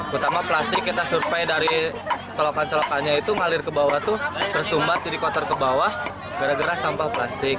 pertama plastik kita survei dari selokan selokannya itu ngalir ke bawah itu tersumbat jadi kotor ke bawah gara gara sampah plastik